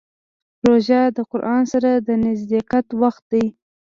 روژه د قرآن سره د نزدېکت وخت دی.